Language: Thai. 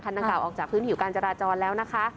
คันตั้งเก่าออกจากพื้นถือการจราจรแล้วนะคะ